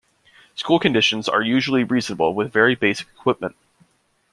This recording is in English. School conditions are usually reasonable with very basic equipment.